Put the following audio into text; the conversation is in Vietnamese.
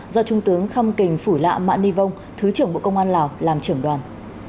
do trung tướng khâm kỳnh phủ lạ mạ ni vông thứ trưởng bộ công an lào làm trưởng đoàn